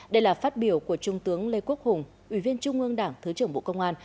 đây là phát biểu của trung tướng lê quốc hùng ủy viên trung ương đảng thứ trưởng bộ công an